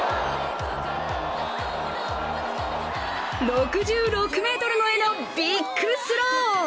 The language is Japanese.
６６ｍ超えのビッグスロー！